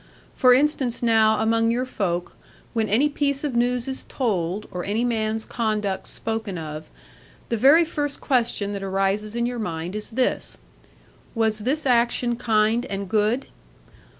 For instance now, among your folk, when any piece of news is told, or any man's conduct spoken of, the very first question that arises in your mind is this "Was this action kind and good?"